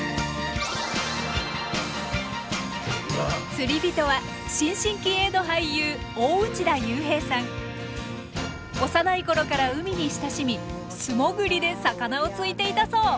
釣りびとは新進気鋭の幼い頃から海に親しみ素もぐりで魚を突いていたそう。